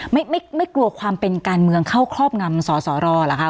ไม่ไม่กลัวความเป็นการเมืองเข้าครอบงำสสรเหรอคะ